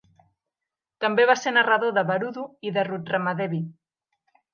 També va ser narrador de "Varudu" i de "Rudhramadevi".